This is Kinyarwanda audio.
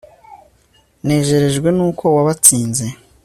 nejerejwe n'uko wabatsinze